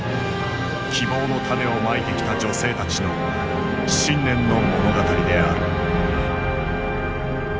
希望の種をまいてきた女性たちの信念の物語である。